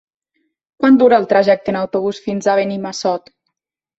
Quant dura el trajecte en autobús fins a Benimassot?